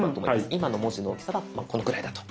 今の文字の大きさはこのくらいだと。